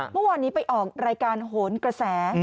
เมื่อวานนี้ไปออกรายการโหนกระแส